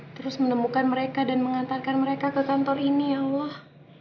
terus menemukan mereka dan mengantarkan mereka ke kantor ini ya allah